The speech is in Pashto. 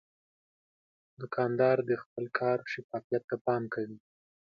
دوکاندار د خپل کار شفافیت ته پام کوي.